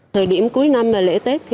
thời điểm cuối năm lễ tết